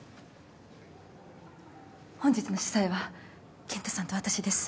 本日の主催は健太さんと私です。